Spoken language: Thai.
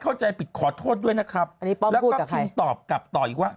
เข้าใจผิดขอโทษด้วยนะครับแล้วก็พิมพ์ตอบกลับต่ออีกว่า